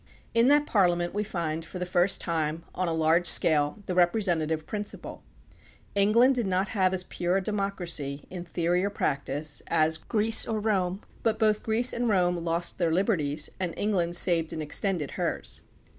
In that Parliament we find for the first time, on a large scale, the representative principle. England did not have as pure a democracy, in theory or prac tice, as Greece or Rome, but both Greece and Rome THE PUBLIC OPINION BILL 7 lost their liberties and England saved and extended hers.